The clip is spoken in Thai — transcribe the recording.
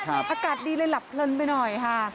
อากาศดีเลยหลับเพลินไปหน่อยค่ะ